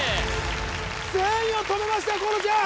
全員を止めました河野ちゃん！